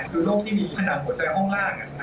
คือโรคที่มีขนาดหัวใจห้องล่างหนาตัวเป็นปกติ